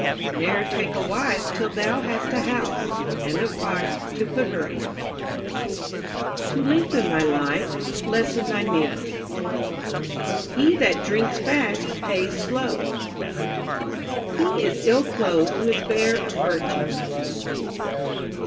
Ne'er take a wife till thou hast a house (and a fire) to put her in. To lengthen thy life, lessen thy meals. He that drinks fast pays slow. He is ill clothed who is bare of virtue.